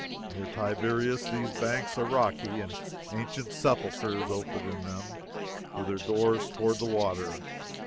Near Tiberias these banks are rocky, and ancient sepulchres open in them, with their doors toward the water.